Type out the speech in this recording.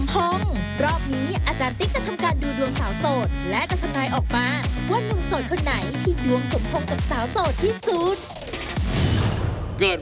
เกิดวันอะไรครับคุณที่สุด